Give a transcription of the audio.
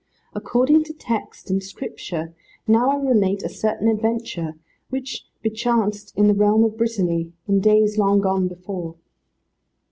According to text and scripture, now I relate a certain adventure, which bechanced in the realm of Brittany, in days long gone before.